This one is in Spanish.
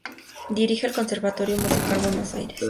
Dirige el Conservatorio Musical Buenos Aires.